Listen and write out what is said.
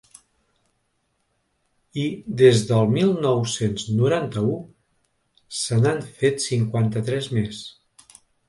I des del mil nou-cents noranta-u se n’han fets cinquanta-tres més.